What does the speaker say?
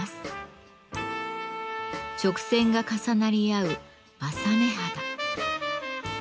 直線が重なり合う柾目肌。